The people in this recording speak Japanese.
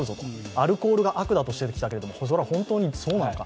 アルコールが悪としてきたけれども、それは本当にそうなのか。